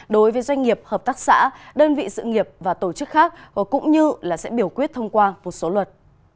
đối với doanh nghiệp hợp tác xã đơn vị sự nghiệp và tổ chức khác cũng như sẽ biểu quyết thông qua một số luật